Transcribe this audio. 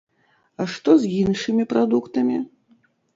А што з іншымі прадуктамі?